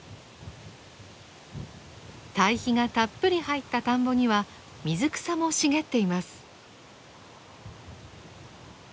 堆肥がたっぷり入った田んぼには水草も茂っています。